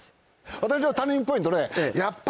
私のターニングポイントね